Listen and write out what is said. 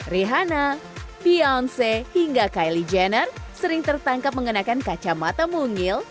rehana piance hingga kylie jenner sering tertangkap mengenakan kacamata mungil